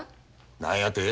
何やて？